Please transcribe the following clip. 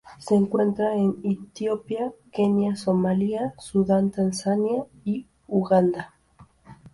Se encuentra en Etiopía, Kenia Somalia, Sudán Tanzania y Uganda.